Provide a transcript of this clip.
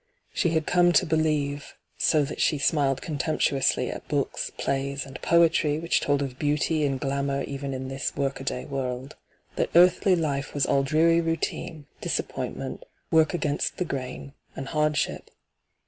She had come to believe — so that she smiled contemptuously at books, plays, and poetry which told of beauty and glatnour even in this workaday world — ^that earthly life was all dreary routine, disappointment, work against the grain, and hardship.